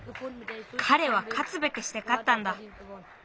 かれはかつべくしてかったんだ。